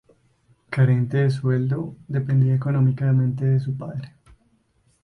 Carente de sueldo, dependía económicamente de su padre.